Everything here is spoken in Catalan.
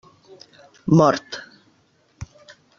Mort.